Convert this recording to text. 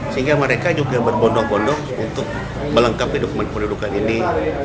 sehingga mereka juga berbonong bonong untuk melengkapi dokumen kependudukan ini